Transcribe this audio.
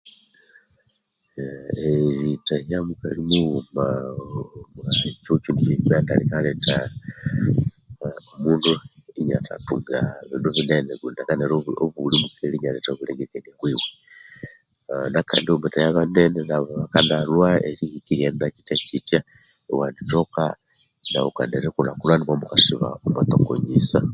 Eritahya mukali mughuma kyangileta omundu iniatatoka Bindu binene kundi hakanaira obulimukali inialetha obulengekania bwiwe Nakandi wamatahya banene nabo bakanalhwa erihika eryaghenda kityakitya nskyo ikyalenga omwatatoka erikulhakulhana